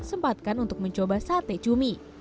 sempatkan untuk mencoba sate cumi